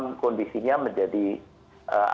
itu memang kondisinya menjadi apa membuat masalah